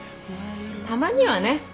たまにはね。